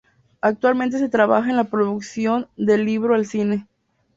Actualmente se trabaja en la producción del libro al cine.